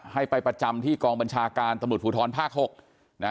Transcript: ให้ไปประจำที่กองบัญชาการตำรวจภูทรภาค๖นะ